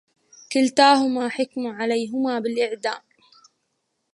كلتاهما حُكِم عليهما بالإعدام.